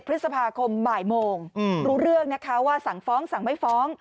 พฤษภาคมบ่ายโมงรู้เรื่องนะคะว่าสั่งฟ้องสั่งไม่ฟ้อง